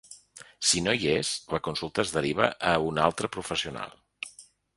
Si no hi és, la consulta es deriva a un altre professional.